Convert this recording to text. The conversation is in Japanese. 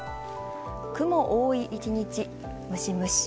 雲多い１日、ムシムシ。